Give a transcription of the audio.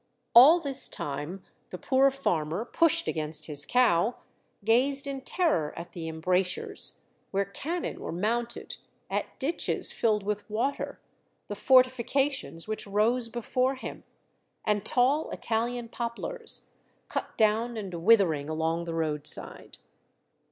All this time the poor farmer, pushed against his cow, gazed in terror at the embrasures, where cannon were mounted, at ditches filled with water, the fortifications which rose before him, and tall Italian poplars, cut down and withering along the roadside.